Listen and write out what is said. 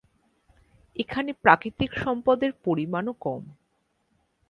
এখানে প্রাকৃতিক সম্পদের পরিমাণও কম।